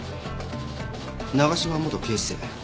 長嶋元警視正。